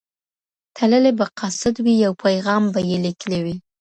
تللی به قاصد وي یو پیغام به یې لیکلی وي